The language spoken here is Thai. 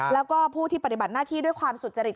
แล้วก็ผู้ที่ปฏิบัติหน้าที่ด้วยความสุจริต